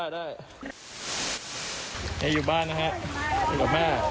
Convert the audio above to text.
ได้อยู่บ้านนะฮะอยู่กับแม่